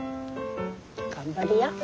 頑張りや。